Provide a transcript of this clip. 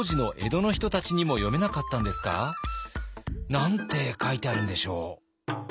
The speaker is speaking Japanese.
何て書いてあるんでしょう？